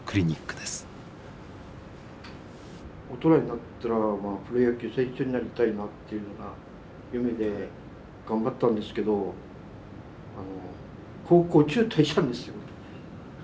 大人になったらプロ野球選手になりたいなっていうのが夢で頑張ったんですけど高校中退したんですよ。